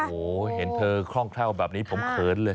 โอ้โหเห็นเธอคล่องแคล่วแบบนี้ผมเขินเลย